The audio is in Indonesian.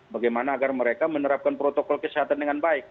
bagaimana agar mereka menerapkan protokol kesehatan dengan baik